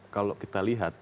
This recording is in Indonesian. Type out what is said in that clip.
kalau kita lihat